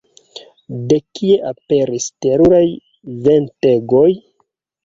De kie aperis teruraj ventegoj?